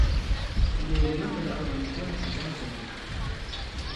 مېلمه ته د ارامتیا فضا جوړ کړه.